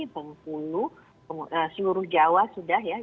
bengkulu seluruh jawa sudah ya